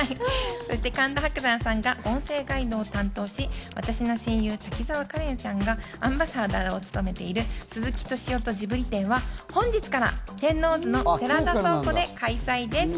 神田伯山さんが音声ガイドを担当し、私の親友・滝沢カレンちゃんがアンバサダーを務めている鈴木敏夫とジブリ展は本日から天王洲の寺田倉庫で開催です。